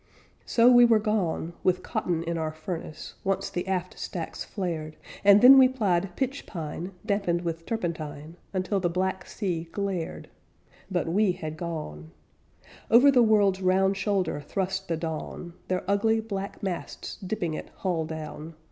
So we were gone, With cotton in our furnace, Once the aft stacks flared, And then we plied pitch pine Dampened with turpentine, Until the black sea glared But we had gone Over the world's round shoulder Thrust the dawn, Their ugly, black masts dipping it hull down.